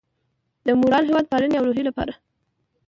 د مورال، هیواد پالنې او روحیې لپاره